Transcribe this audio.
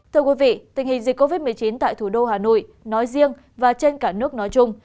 thưa quý vị tình hình dịch covid một mươi chín tại thủ đô hà nội nói riêng và trên cả nước nói chung